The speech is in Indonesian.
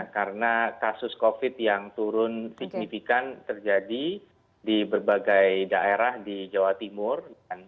karena kasus covid yang turun signifikan terjadi di berbagai daerah di jawa timur